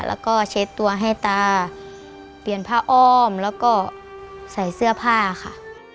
แล้วก็เช็ดตัวให้ตาเปลี่ยนผ้าอ้อมแล้วก็ใส่เสื้อผ้าค่ะ